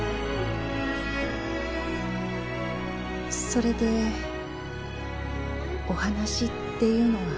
それでお話っていうのは？